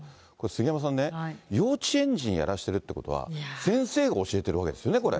杉山さんね、幼稚園児にやらしているということは、先生が教えてるわけですよね、これ。